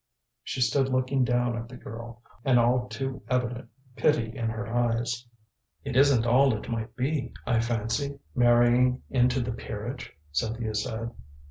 She stood looking down at the girl, an all too evident pity in her eyes. "It isn't all it might be, I fancy marrying into the peerage," Cynthia said.